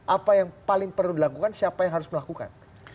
apa yang paling perlu dilakukan siapa yang harus melakukan